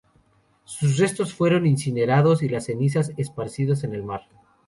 Sus restos fueron incinerados, y las cenizas esparcidos en el mar.